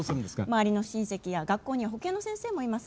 周りの親戚や学校には保健の先生もいます。